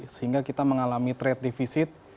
sehingga kita mengalami trade defisit